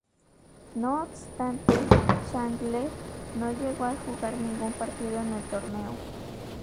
No obstante, Chandler no llegó a jugar ningún partido en el torneo.